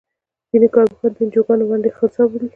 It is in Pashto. ځینې کار پوهان د انجوګانو ونډه خنثی بولي.